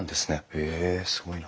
へえすごいな。